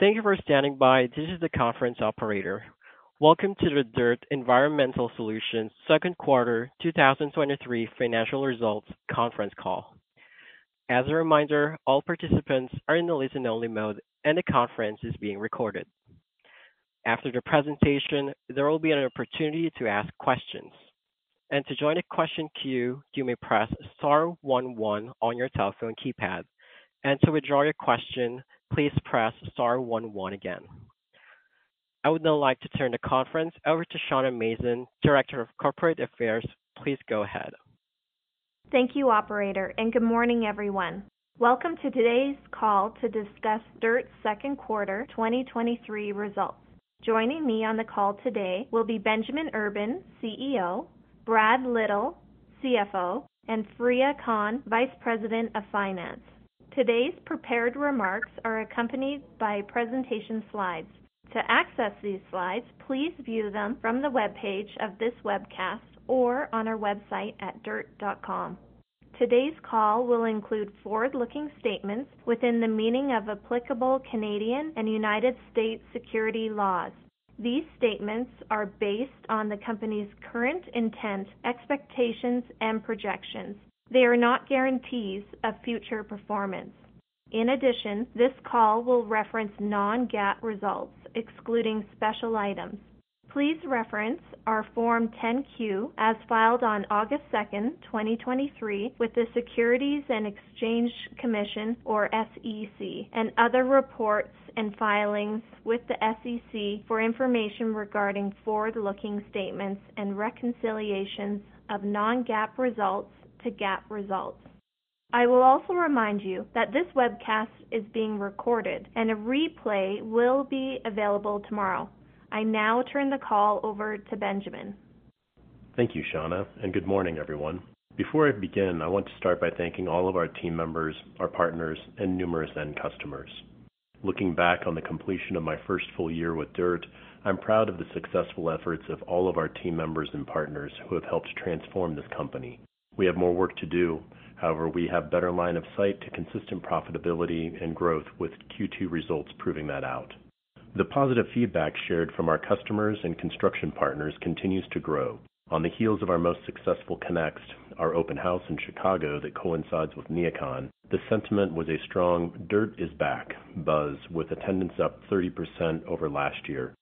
Thank you for standing by. This is the conference operator. Welcome to the DIRTT Environmental Solutions second quarter 2023 financial results conference call. As a reminder, all participants are in the listen-only mode, and the conference is being recorded. After the presentation, there will be an opportunity to ask questions. To join a question queue, you may press star one one on your telephone keypad, and to withdraw your question, please press star one one again. I would now like to turn the conference over to Shawna Mason, Director of Corporate Affairs. Please go ahead. Thank you, operator, and good morning, everyone. Welcome to today's call to discuss DIRTT's second quarter 2023 results. Joining me on the call today will be Benjamin Urban, CEO, Brad Little, CFO, and Fareeha Khan, Vice President of Finance. Today's prepared remarks are accompanied by presentation slides. To access these slides, please view them from the webpage of this webcast or on our website at dirtt.com. Today's call will include forward-looking statements within the meaning of applicable Canadian and United States security laws. These statements are based on the company's current intent, expectations, and projections. They are not guarantees of future performance. In addition, this call will reference non-GAAP results, excluding special items. Please reference our Form 10-Q as filed on August second, 2023, with the Securities and Exchange Commission, or SEC, and other reports and filings with the SEC for information regarding forward-looking statements and reconciliations of non-GAAP results to GAAP results. I will also remind you that this webcast is being recorded, and a replay will be available tomorrow. I now turn the call over to Benjamin. Thank you, Shawna. Good morning, everyone. Before I begin, I want to start by thanking all of our team members, our partners, and numerous end customers. Looking back on the completion of my first full year with DIRTT, I'm proud of the successful efforts of all of our team members and partners who have helped transform this company. We have more work to do. However, we have better line of sight to consistent profitability and growth, with Q2 results proving that out. The positive feedback shared from our customers and construction partners continues to grow. On the heels of our most successful Connext, our open house in Chicago that coincides with NeoCon, the sentiment was a strong "DIRTT is back" buzz, with attendance up 30% over last year.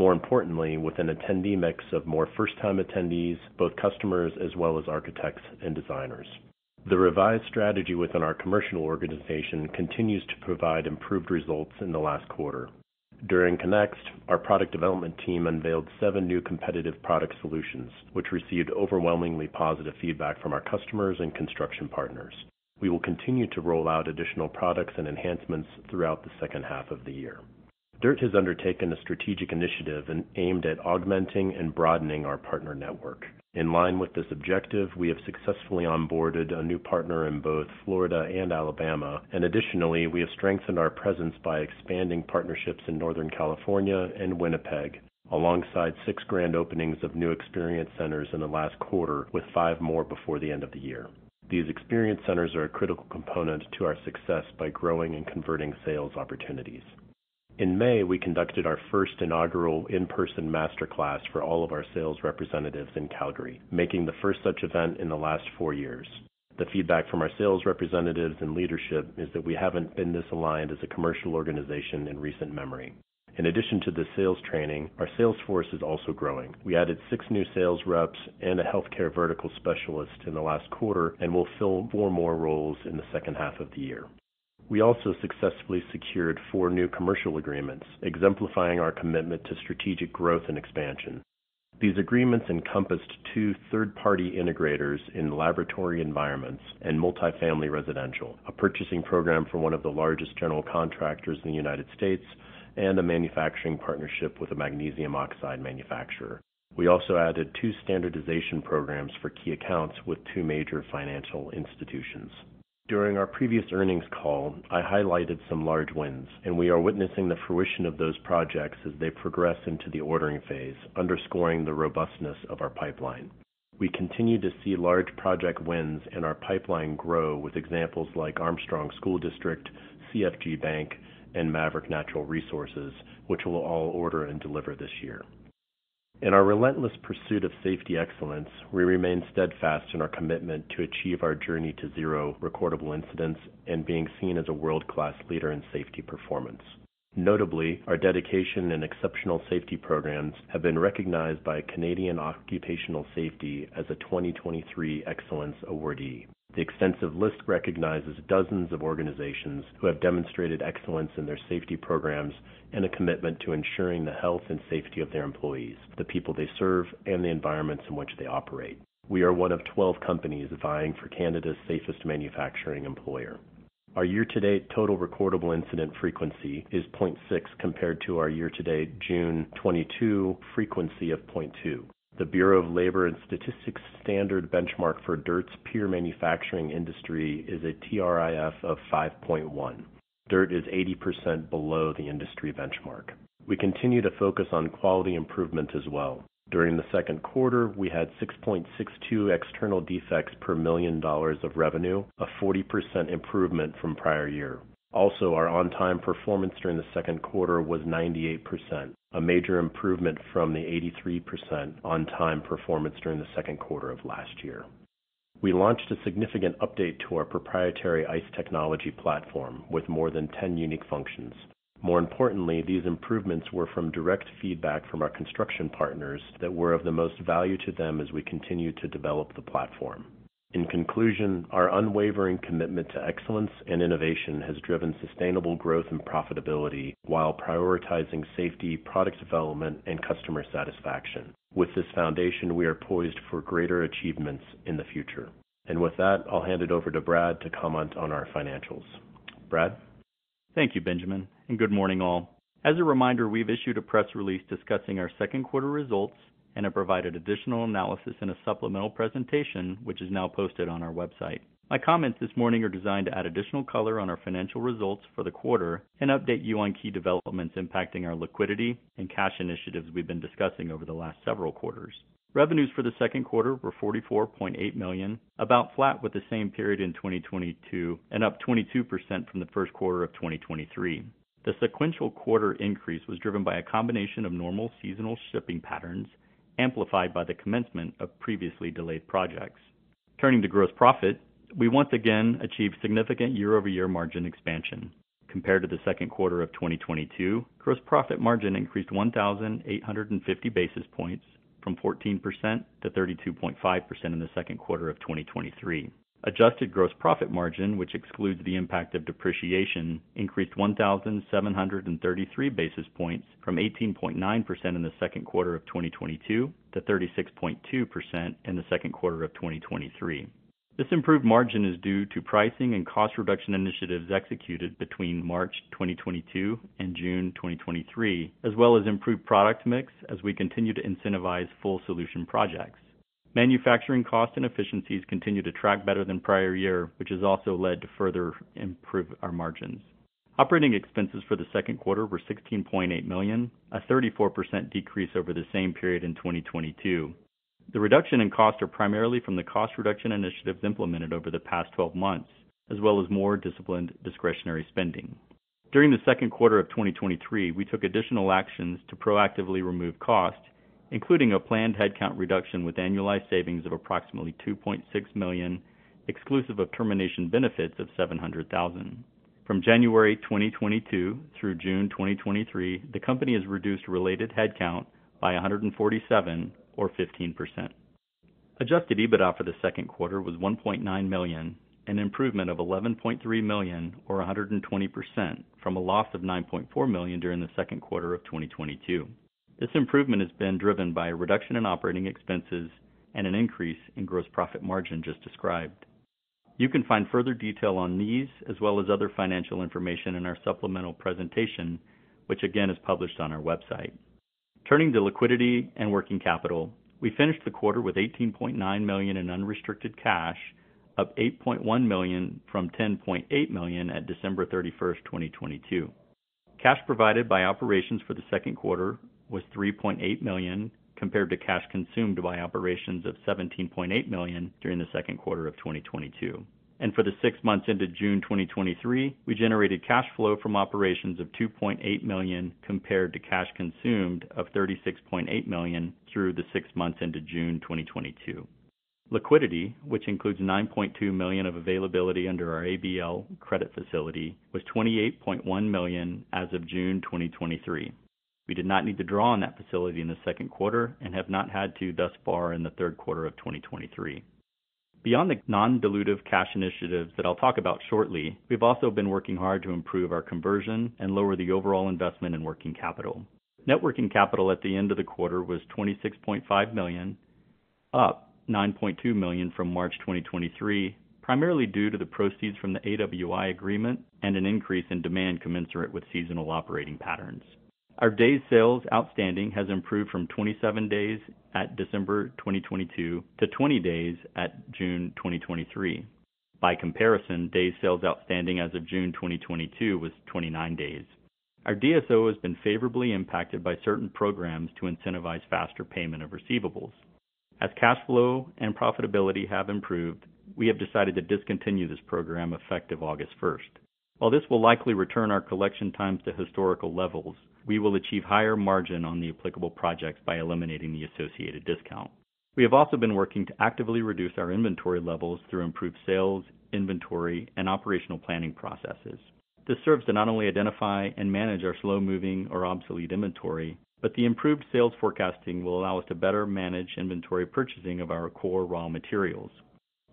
More importantly, with an attendee mix of more first-time attendees, both customers as well as architects and designers. The revised strategy within our commercial organization continues to provide improved results in the last quarter. During Connext, our product development team unveiled 7 new competitive product solutions, which received overwhelmingly positive feedback from our customers and construction partners. We will continue to roll out additional products and enhancements throughout the second half of the year. DIRTT has undertaken a strategic initiative and aimed at augmenting and broadening our partner network. In line with this objective, we have successfully onboarded a new partner in both Florida and Alabama, and additionally, we have strengthened our presence by expanding partnerships in Northern California and Winnipeg, alongside 6 grand openings of new Experience Centers in the last quarter, with 5 more before the end of the year. These Experience Centers are a critical component to our success by growing and converting sales opportunities. In May, we conducted our first inaugural in-person master class for all of our sales representatives in Calgary, making the first such event in the last four years. The feedback from our sales representatives and leadership is that we haven't been this aligned as a commercial organization in recent memory. In addition to the sales training, our sales force is also growing. We added six new sales reps and a healthcare vertical specialist in the last quarter, and we'll fill four more roles in the second half of the year. We also successfully secured four new commercial agreements, exemplifying our commitment to strategic growth and expansion. These agreements encompassed two third-party integrators in laboratory environments and multifamily residential, a purchasing program for one of the largest general contractors in the United States, and a manufacturing partnership with a magnesium oxide manufacturer. We also added 2 standardization programs for key accounts with 2 major financial institutions. During our previous earnings call, I highlighted some large wins, and we are witnessing the fruition of those projects as they progress into the ordering phase, underscoring the robustness of our pipeline. We continue to see large project wins and our pipeline grow, with examples like Armstrong School District, CFG Bank, and Maverick Natural Resources, which will all order and deliver this year. In our relentless pursuit of safety excellence, we remain steadfast in our commitment to achieve our journey to zero recordable incidents and being seen as a world-class leader in safety performance. Notably, our dedication and exceptional safety programs have been recognized by Canadian Occupational Safety as a 2023 Excellence awardee. The extensive list recognizes dozens of organizations who have demonstrated excellence in their safety programs and a commitment to ensuring the health and safety of their employees, the people they serve, and the environments in which they operate. We are one of 12 companies vying for Canada's Safest Manufacturing Employer. Our year-to-date total recordable incident frequency is 0.6, compared to our year-to-date June 2022 frequency of 0.2. The Bureau of Labor Statistics standard benchmark for DIRTT's peer manufacturing industry is a TRIF of 5.1. DIRTT is 80% below the industry benchmark. We continue to focus on quality improvement as well. During the second quarter, we had 6.62 external defects per $1 million of revenue, a 40% improvement from prior year. Also, our on-time performance during the second quarter was 98%, a major improvement from the 83% on-time performance during the second quarter of last year. We launched a significant update to our proprietary ICE technology platform, with more than 10 unique functions. More importantly, these improvements were from direct feedback from our construction partners that were of the most value to them as we continue to develop the platform. In conclusion, our unwavering commitment to excellence and innovation has driven sustainable growth and profitability while prioritizing safety, product development, and customer satisfaction. With this foundation, we are poised for greater achievements in the future. With that, I'll hand it over to Brad to comment on our financials. Brad? Thank you, Benjamin. Good morning, all. As a reminder, we've issued a press release discussing our second quarter results and have provided additional analysis in a supplemental presentation, which is now posted on our website. My comments this morning are designed to add additional color on our financial results for the quarter and update you on key developments impacting our liquidity and cash initiatives we've been discussing over the last several quarters. Revenues for the second quarter were $44.8 million, about flat with the same period in 2022, up 22% from the first quarter of 2023. The sequential quarter increase was driven by a combination of normal seasonal shipping patterns, amplified by the commencement of previously delayed projects. Turning to gross profit, we once again achieved significant year-over-year margin expansion. Compared to the second quarter of 2022, gross profit margin increased 1,850 basis points from 14%-32.5% in the second quarter of 2023. Adjusted gross profit margin, which excludes the impact of depreciation, increased 1,733 basis points from 18.9% in the second quarter of 2022 to 36.2% in the second quarter of 2023. This improved margin is due to pricing and cost reduction initiatives executed between March 2022 and June 2023, as well as improved product mix as we continue to incentivize full solution projects. Manufacturing costs and efficiencies continue to track better than prior year, which has also led to further improve our margins. Operating expenses for the second quarter were $16.8 million, a 34% decrease over the same period in 2022. The reduction in costs are primarily from the cost reduction initiatives implemented over the past 12 months, as well as more disciplined discretionary spending. During the second quarter of 2023, we took additional actions to proactively remove costs, including a planned headcount reduction with annualized savings of approximately $2.6 million, exclusive of termination benefits of $700,000. From January 2022 through June 2023, the company has reduced related headcount by 147 or 15%. Adjusted EBITDA for the second quarter was $1.9 million, an improvement of $11.3 million or 120% from a loss of $9.4 million during the second quarter of 2022. This improvement has been driven by a reduction in operating expenses and an increase in gross profit margin just described. You can find further detail on these, as well as other financial information in our supplemental presentation, which again, is published on our website. Turning to liquidity and working capital, we finished the quarter with $18.9 million in unrestricted cash, up $8.1 million from $10.8 million at December 31, 2022. Cash provided by operations for the second quarter was $3.8 million, compared to cash consumed by operations of $17.8 million during the second quarter of 2022. For the six months into June 2023, we generated cash flow from operations of $2.8 million, compared to cash consumed of $36.8 million through the six months into June 2022. Liquidity, which includes $9.2 million of availability under our ABL credit facility, was $28.1 million as of June 2023. We did not need to draw on that facility in the second quarter and have not had to thus far in the third quarter of 2023. Beyond the non-dilutive cash initiatives that I'll talk about shortly, we've also been working hard to improve our conversion and lower the overall investment in working capital. Net working capital at the end of the quarter was $26.5 million, up $9.2 million from March 2023, primarily due to the proceeds from the AWI agreement and an increase in demand commensurate with seasonal operating patterns. Our days sales outstanding has improved from 27 days at December 2022 to 20 days at June 2023. By comparison, days sales outstanding as of June 2022 was 29 days. Our DSO has been favorably impacted by certain programs to incentivize faster payment of receivables. As cash flow and profitability have improved, we have decided to discontinue this program effective August 1st. While this will likely return our collection times to historical levels, we will achieve higher margin on the applicable projects by eliminating the associated discount. We have also been working to actively reduce our inventory levels through improved sales, inventory, and operational planning processes. This serves to not only identify and manage our slow-moving or obsolete inventory, but the improved sales forecasting will allow us to better manage inventory purchasing of our core raw materials.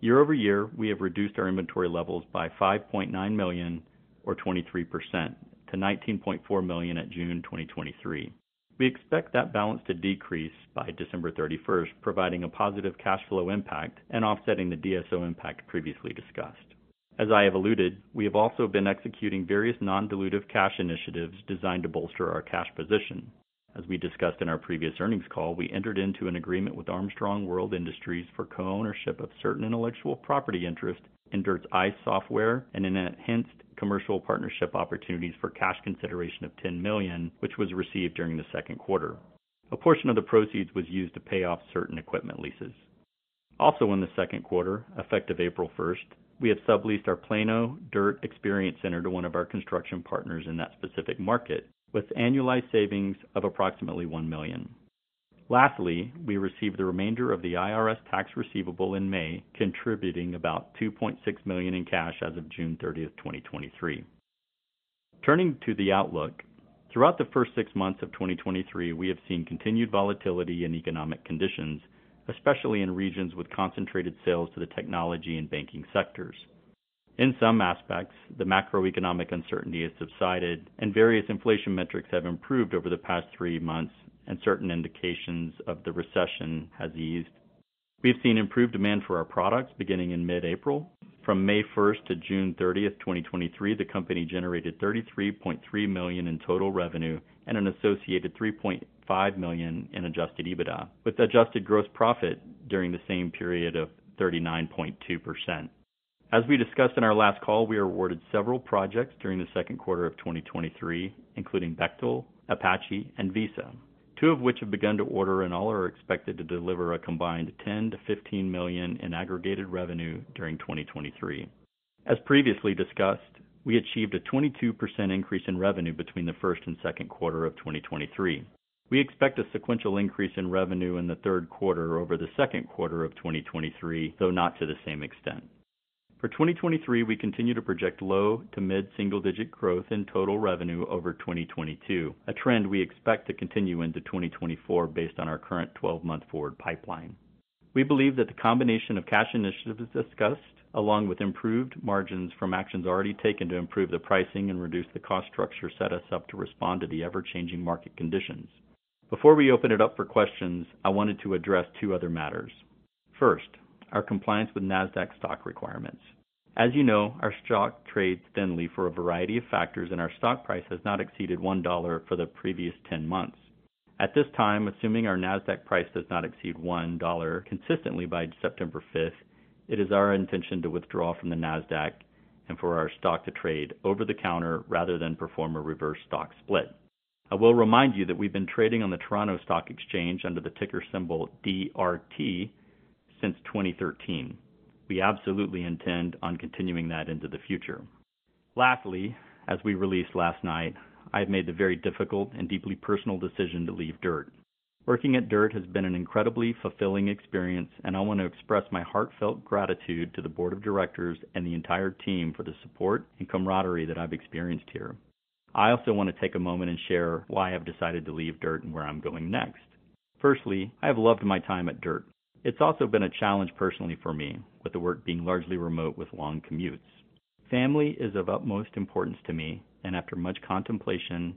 Year-over-year, we have reduced our inventory levels by $5.9 million or 23% to $19.4 million at June 2023. We expect that balance to decrease by December 31st, providing a positive cash flow impact and offsetting the DSO impact previously discussed. As I have alluded, we have also been executing various non-dilutive cash initiatives designed to bolster our cash position. As we discussed in our previous earnings call, we entered into an agreement with Armstrong World Industries for co-ownership of certain intellectual property interest in DIRTT's ICE software and an enhanced commercial partnership opportunities for cash consideration of $10 million, which was received during the second quarter. A portion of the proceeds was used to pay off certain equipment leases. Also in the second quarter, effective April 1st, we have subleased our Plano DIRTT Experience Center to one of our construction partners in that specific market, with annualized savings of approximately $1 million. Lastly, we received the remainder of the IRS tax receivable in May, contributing about $2.6 million in cash as of June 30, 2023. Turning to the outlook, throughout the first six months of 2023, we have seen continued volatility in economic conditions, especially in regions with concentrated sales to the technology and banking sectors. In some aspects, the macroeconomic uncertainty has subsided, and various inflation metrics have improved over the past three months, and certain indications of the recession has eased. We've seen improved demand for our products beginning in mid-April. From May 1 to June 30, 2023, the company generated $33.3 million in total revenue and an associated $3.5 million in adjusted EBITDA, with adjusted gross profit during the same period of 39.2%. As we discussed in our last call, we were awarded several projects during the second quarter of 2023, including Bechtel, Apache, and Visa, two of which have begun to order, and all are expected to deliver a combined $10 million-$15 million in aggregated revenue during 2023. As previously discussed, we achieved a 22% increase in revenue between the first and second quarter of 2023. We expect a sequential increase in revenue in the third quarter over the second quarter of 2023, though not to the same extent. For 2023, we continue to project low to mid-single-digit growth in total revenue over 2022, a trend we expect to continue into 2024, based on our current 12-month forward pipeline. We believe that the combination of cash initiatives discussed, along with improved margins from actions already taken to improve the pricing and reduce the cost structure, set us up to respond to the ever-changing market conditions. Before we open it up for questions, I wanted to address two other matters. First, our compliance with Nasdaq stock requirements. As you know, our stock trades thinly for a variety of factors, and our stock price has not exceeded $1 for the previous 10 months. At this time, assuming our Nasdaq price does not exceed $1 consistently by September 5th, it is our intention to withdraw from the Nasdaq and for our stock to trade over-the-counter, rather than perform a reverse stock split. I will remind you that we've been trading on the Toronto Stock Exchange under the ticker symbol DRT since 2013. We absolutely intend on continuing that into the future. Lastly, as we released last night, I've made the very difficult and deeply personal decision to leave DIRTT. Working at DIRTT has been an incredibly fulfilling experience, and I want to express my heartfelt gratitude to the board of directors and the entire team for the support and camaraderie that I've experienced here. I also want to take a moment and share why I've decided to leave DIRTT and where I'm going next. Firstly, I have loved my time at DIRTT. It's also been a challenge personally for me, with the work being largely remote, with long commutes. Family is of utmost importance to me, and after much contemplation,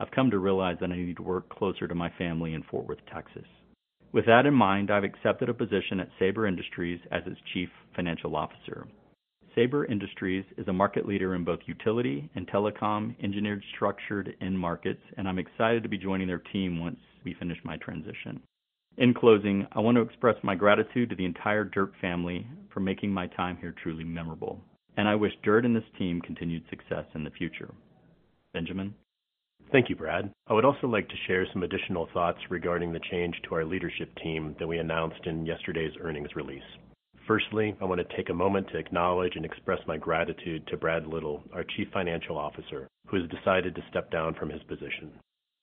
I've come to realize that I need to work closer to my family in Fort Worth, Texas. With that in mind, I've accepted a position at Sabre Industries as its Chief Financial Officer. Sabre Industries is a market leader in both utility and telecom, engineered, structured end markets, and I'm excited to be joining their team once we finish my transition. In closing, I want to express my gratitude to the entire DIRTT family for making my time here truly memorable, and I wish DIRTT and this team continued success in the future. Benjamin? Thank you, Brad. I would also like to share some additional thoughts regarding the change to our leadership team that we announced in yesterday's earnings release. Firstly, I want to take a moment to acknowledge and express my gratitude to Brad Little, our Chief Financial Officer, who has decided to step down from his position.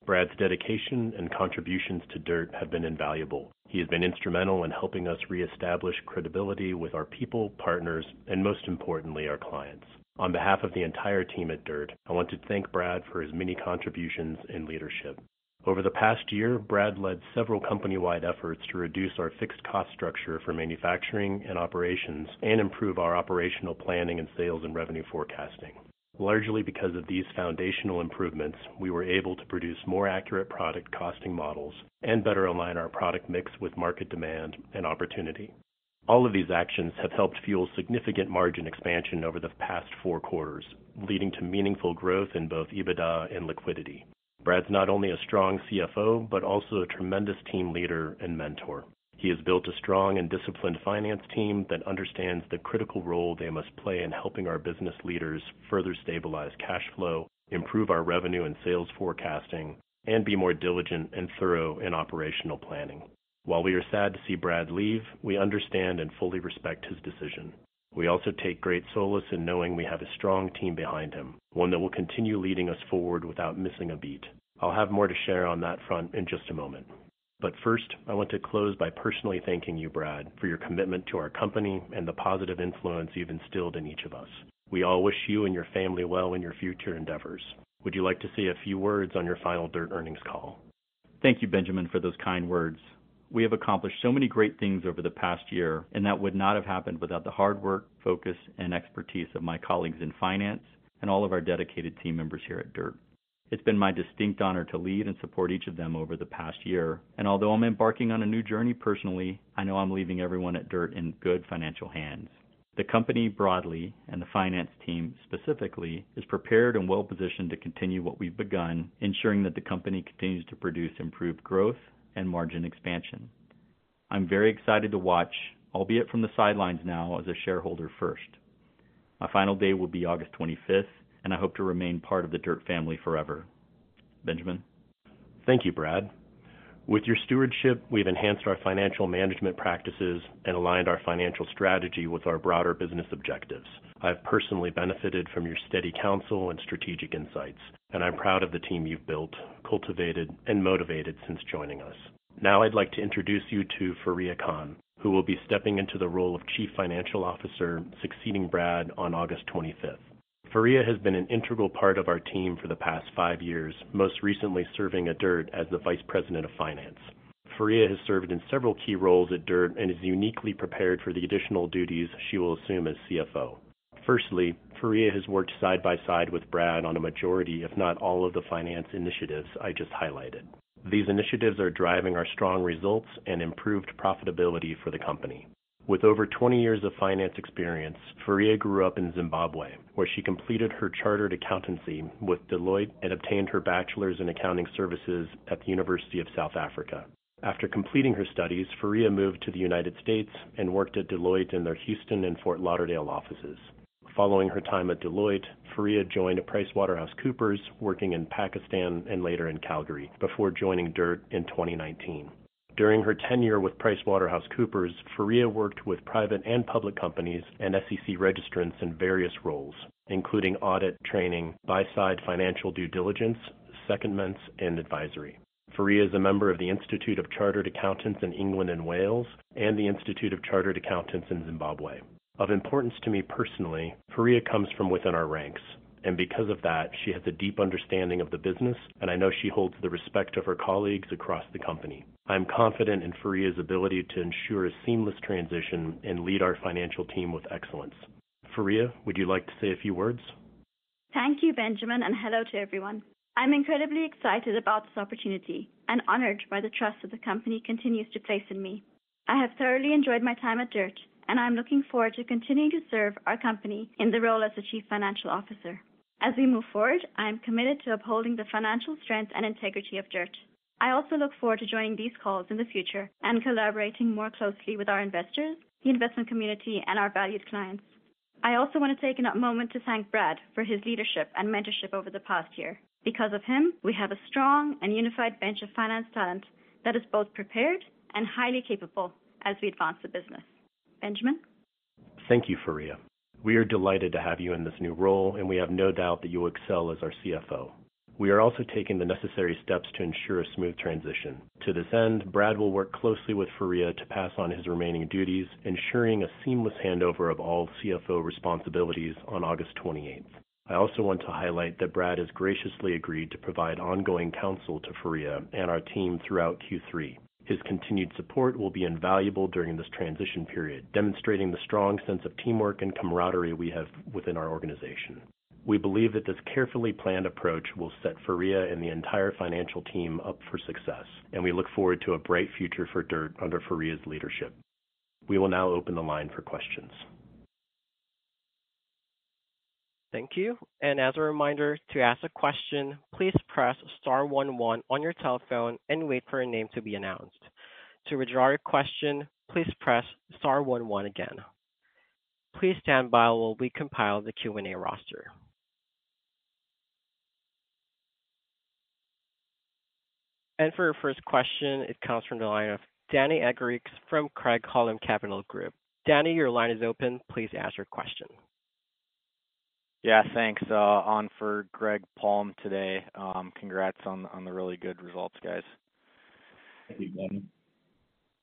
Brad's dedication and contributions to DIRTT have been invaluable. He has been instrumental in helping us reestablish credibility with our people, partners, and most importantly, our clients. On behalf of the entire team at DIRTT, I want to thank Brad for his many contributions and leadership. Over the past year, Brad led several company-wide efforts to reduce our fixed cost structure for manufacturing and operations and improve our operational planning and sales and revenue forecasting. Largely because of these foundational improvements, we were able to produce more accurate product costing models and better align our product mix with market demand and opportunity. All of these actions have helped fuel significant margin expansion over the past four quarters, leading to meaningful growth in both EBITDA and liquidity. Brad's not only a strong CFO, but also a tremendous team leader and mentor. He has built a strong and disciplined finance team that understands the critical role they must play in helping our business leaders further stabilize cash flow, improve our revenue and sales forecasting, and be more diligent and thorough in operational planning. While we are sad to see Brad leave, we understand and fully respect his decision. We also take great solace in knowing we have a strong team behind him, one that will continue leading us forward without missing a beat. I'll have more to share on that front in just a moment, but first, I want to close by personally thanking you, Brad, for your commitment to our company and the positive influence you've instilled in each of us. We all wish you and your family well in your future endeavors. Would you like to say a few words on your final DIRTT earnings call? Thank you, Benjamin, for those kind words. We have accomplished so many great things over the past year, and that would not have happened without the hard work, focus, and expertise of my colleagues in finance and all of our dedicated team members here at DIRTT. It's been my distinct honor to lead and support each of them over the past year, and although I'm embarking on a new journey personally, I know I'm leaving everyone at DIRTT in good financial hands. The company broadly, and the finance team specifically, is prepared and well-positioned to continue what we've begun, ensuring that the company continues to produce improved growth and margin expansion. I'm very excited to watch, albeit from the sidelines now, as a shareholder first. My final day will be August 25th, and I hope to remain part of the DIRTT family forever. Benjamin? Thank you, Brad. With your stewardship, we've enhanced our financial management practices and aligned our financial strategy with our broader business objectives. I've personally benefited from your steady counsel and strategic insights, and I'm proud of the team you've built, cultivated, and motivated since joining us. Now I'd like to introduce you to Fareeha Khan, who will be stepping into the role of Chief Financial Officer, succeeding Brad on August 25th. Fareeha has been an integral part of our team for the past five years, most recently serving at DIRTT as the Vice President of Finance. Fareeha has served in several key roles at DIRTT and is uniquely prepared for the additional duties she will assume as CFO. Firstly, Fareeha has worked side by side with Brad on a majority, if not all, of the finance initiatives I just highlighted. These initiatives are driving our strong results and improved profitability for the company. With over 20 years of finance experience, Fareeha grew up in Zimbabwe, where she completed her chartered accountancy with Deloitte and obtained her bachelor's in accounting services at the University of South Africa. After completing her studies, Fareeha moved to the United States and worked at Deloitte in their Houston and Fort Lauderdale offices. Following her time at Deloitte, Fareeha joined PricewaterhouseCoopers, working in Pakistan and later in Calgary, before joining DIRTT in 2019. During her tenure with PricewaterhouseCoopers, Fareeha worked with private and public companies and SEC registrants in various roles, including audit training, buy-side financial due diligence, secondments, and advisory. Fareeha is a member of the Institute of Chartered Accountants in England and Wales and the Institute of Chartered Accountants of Zimbabwe. Of importance to me personally, Fareeha comes from within our ranks, and because of that, she has a deep understanding of the business, and I know she holds the respect of her colleagues across the company. I'm confident in Fareeha's ability to ensure a seamless transition and lead our financial team with excellence. Fareeha, would you like to say a few words? Thank you, Benjamin, and hello to everyone. I'm incredibly excited about this opportunity and honored by the trust that the company continues to place in me. I have thoroughly enjoyed my time at DIRTT, and I'm looking forward to continuing to serve our company in the role as the chief financial officer. As we move forward, I am committed to upholding the financial strength and integrity of DIRTT. I also look forward to joining these calls in the future and collaborating more closely with our investors, the investment community, and our valued clients. I also want to take a moment to thank Brad for his leadership and mentorship over the past year. Because of him, we have a strong and unified bench of finance talent that is both prepared and highly capable as we advance the business. Benjamin? Thank you, Fareeha. We are delighted to have you in this new role, and we have no doubt that you will excel as our CFO. We are also taking the necessary steps to ensure a smooth transition. To this end, Brad will work closely with Fareeha to pass on his remaining duties, ensuring a seamless handover of all CFO responsibilities on August 28th. I also want to highlight that Brad has graciously agreed to provide ongoing counsel to Fareeha and our team throughout Q3. His continued support will be invaluable during this transition period, demonstrating the strong sense of teamwork and camaraderie we have within our organization. We believe that this carefully planned approach will set Fareeha and the entire financial team up for success, and we look forward to a bright future for DIRTT under Fareeha's leadership. We will now open the line for questions. Thank you. As a reminder, to ask a question, please press star one one on your telephone and wait for your name to be announced. To withdraw your question, please press star one one again. Please stand by while we compile the Q&A roster. For our first question, it comes from the line of Danny Eggerichs from Craig-Hallum Capital Group. Danny, your line is open. Please ask your question. Yeah, thanks, on for Greg Palm today. Congrats on, on the really good results, guys. Thank you, Danny.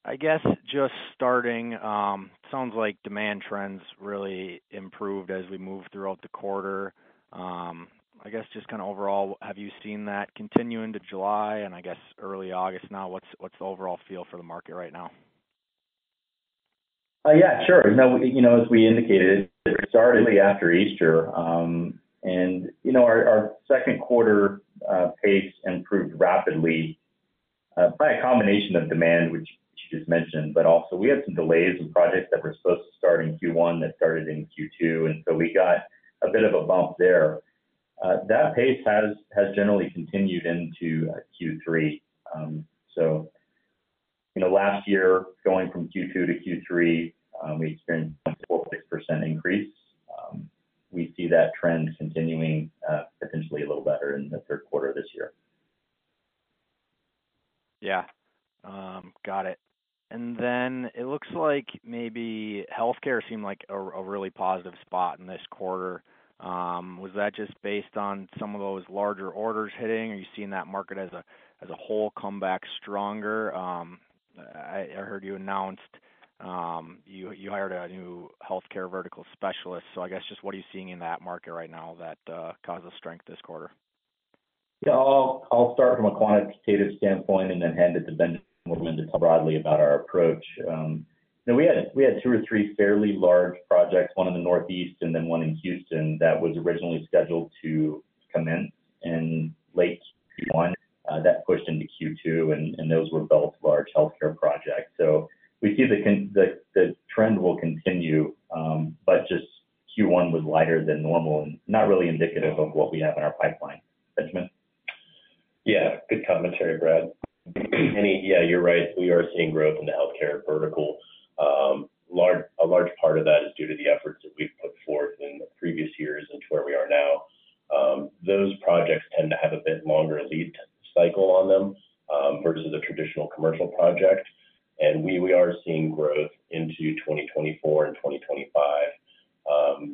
I guess just starting, sounds like demand trends really improved as we moved throughout the quarter. I guess just kind of overall, have you seen that continue into July and I guess early August now? What's, what's the overall feel for the market right now? Yeah, sure. No, you know, as we indicated, it started after Easter, and you know, our Q2 pace improved rapidly by a combination of demand, which you just mentioned, but also we had some delays in projects that were supposed to start in Q1 that started in Q2, and so we got a bit of a bump there. That pace has generally continued into Q3. So, you know, last year, going from Q2 to Q3, we experienced a 4%-6% increase. We see that trend continuing, potentially a little better in Q3 of this year. Yeah. Got it. It looks like maybe healthcare seemed like a really positive spot in this quarter. Was that just based on some of those larger orders hitting, or are you seeing that market as a whole come back stronger? I, I heard you announced, you, you hired a new healthcare vertical specialist. I guess just what are you seeing in that market right now that causes strength this quarter? Yeah, I'll, I'll start from a quantitative standpoint and then hand it to Benjamin, who will talk broadly about our approach. We had two or three fairly large projects, one in the Northeast and then one in Houston, that was originally scheduled to come in in late Q1. That pushed into Q2, and those were both large healthcare projects. We see the con-- the, the trend will continue, but just Q1 was lighter than normal and not really indicative of what we have in our pipeline. Benjamin. Yeah, good commentary, Brad. Yeah, you're right, we are seeing growth in the healthcare vertical. Large-- A large part of that is due to the efforts that we've put forth in the previous years into where we are now. Those projects tend to have a bit longer lead cycle on them, versus a traditional commercial project. We, we are seeing growth into 2024 and 2025.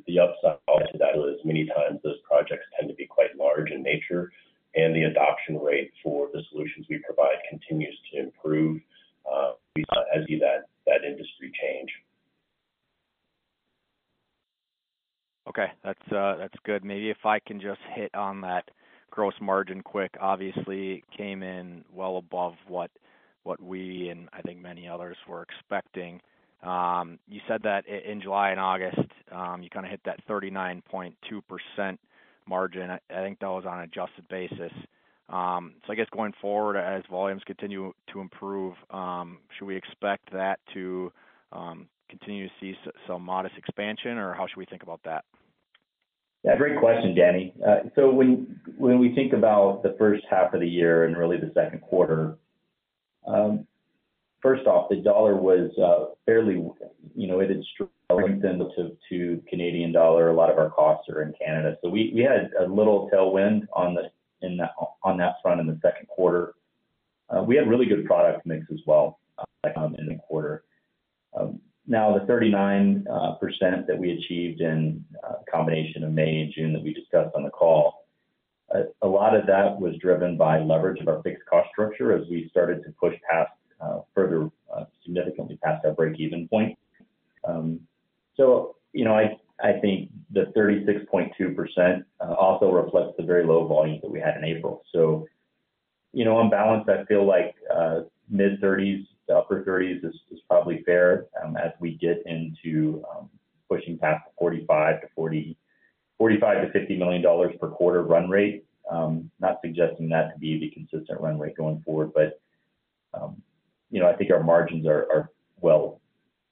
The upside to that is, many times those projects tend to be quite large in nature. The adoption rate for the solutions we provide continues to improve, as we see that, that industry change. Okay, that's that's good. Maybe if I can just hit on that gross margin quick. Obviously, it came in well above what, what we, and I think many others, were expecting. You said that in July and August, you kinda hit that 39.2% margin. I, I think that was on an adjusted basis. So I guess going forward, as volumes continue to improve, should we expect that to continue to see so-some modest expansion, or how should we think about that? Yeah, great question, Danny Eggerichs. When, when we think about the first half of the year and really the second quarter, first off, the dollar was fairly, you know, it had strengthened to Canadian dollar. A lot of our costs are in Canada. We, we had a little tailwind on the- in that, on that front in the second quarter. We had really good product mix as well in the quarter. Now, the 39% that we achieved in a combination of May and June that we discussed on the call, a lot of that was driven by leverage of our fixed cost structure as we started to push past further, significantly past that break-even point. You know, I, I think the 36.2% also reflects the very low volume that we had in April. On balance, I feel like mid-30s to upper 30s is probably fair as we get into pushing past $45 million-$50 million per quarter run rate. Not suggesting that to be the consistent run rate going forward, but, you know, I think our margins are well,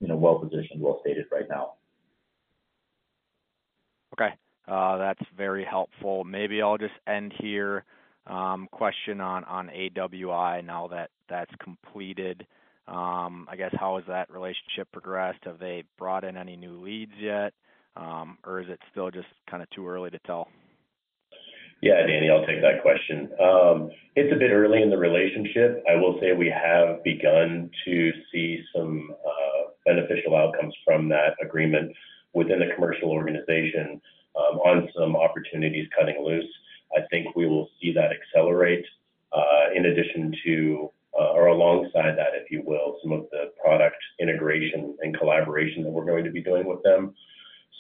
you know, well positioned, well stated right now. Okay, that's very helpful. Maybe I'll just end here. Question on, on AWI, now that that's completed. I guess, how has that relationship progressed? Have they brought in any new leads yet, or is it still just kinda too early to tell? Yeah, Danny, I'll take that question. It's a bit early in the relationship. I will say we have begun to see some beneficial outcomes from that agreement within the commercial organization, on some opportunities cutting loose. I think we will see that accelerate, in addition to, or alongside that, if you will, some of the product integration and collaboration that we're going to be doing with them.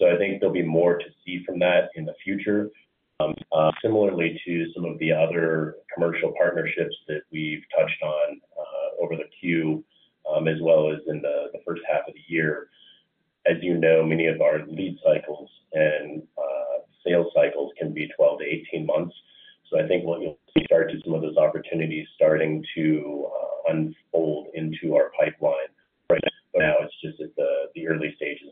I think there'll be more to see from that in the future. Similarly to some of the other commercial partnerships that we've touched on, over the Q, as well as in the, the first half of the year. As you know, many of our lead cycles and sales cycles can be 12 to 18 months. I think what you'll see start to some of those opportunities starting to unfold into our pipeline. Right now, it's just at the, the early stages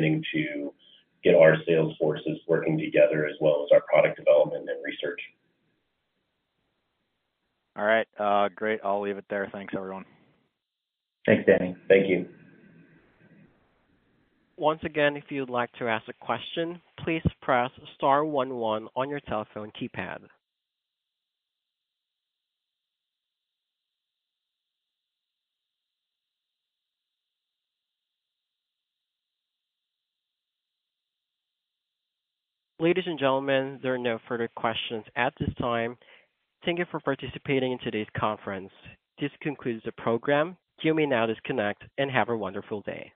of the AWI commercial agreement. I will say that it is going quite well, and we are all aligned and beginning to get our sales forces working together, as well as our product development and research. All right. Great. I'll leave it there. Thanks, everyone. Thanks, Danny. Thank you. Once again, if you'd like to ask a question, please press star one one on your telephone keypad. Ladies and gentlemen, there are no further questions at this time. Thank you for participating in today's conference. This concludes the program. You may now disconnect and have a wonderful day.